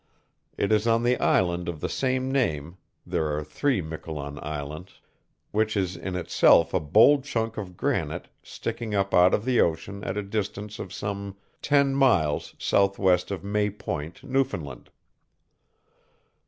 It is on the island of the same name (there are three Miquelon islands), which is in itself a bold chunk of granite sticking up out of the ocean at a distance of some ten miles southwest of May Point, Newfoundland.